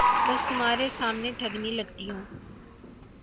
بس تمہارے سامنے ٹھگنی لگتی ہوں۔